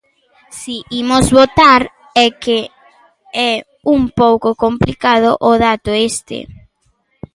Si, imos votar, é que é un pouco complicado o dato este.